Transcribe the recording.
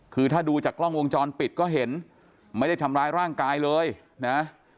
คือถ้าดูจากกล้องวงจรปิดก็เห็นไม่ได้ทำร้ายร่างกายเลยนะ